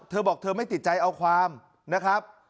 เธอบอกเธอไม่ติดใจเอาความนะครับ